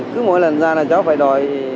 cứ mỗi lần ra là cháu phải đòi